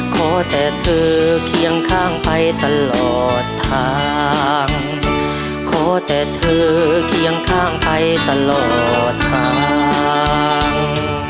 ขอแต่เธอเคียงข้างไปตลอดทางขอแต่เธอเคียงข้างไปตลอดทาง